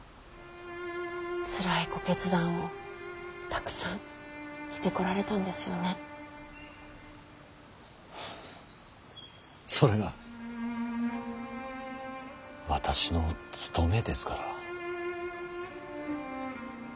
つらいご決断をたくさんしてこられたんですよね。それが私の務めですから。